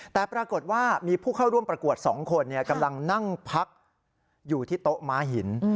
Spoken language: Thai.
แต่ปรากฏว่ามีผู้เข้าร่วมประกวด๒คนกำลังนั่งพักอยู่ที่โต๊ะม้าหิน